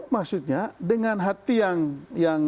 maksudnya dengan hati yang